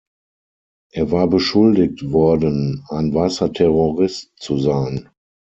Er war beschuldigt worden, ein "„weißer Terrorist“" zu sein.